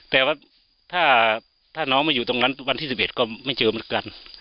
แต่ว่าถ้าน้องไม่อยู่ตรงนั้นวันที่๑๑ก็ไม่เจอเหมือนกัน